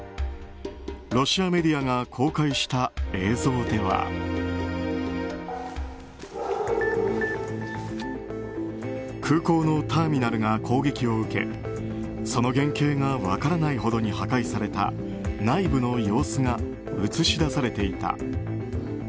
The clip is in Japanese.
ロシアメディアが公開した映像では空港のターミナルが攻撃を受けその原形が分からないほどに破壊された内部の様子が映し出されていた。